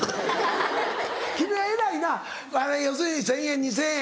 君は偉いな要するに１０００円２０００円。